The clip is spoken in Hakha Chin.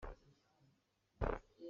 An mit an i au ko nain an hmu kho hrim lo.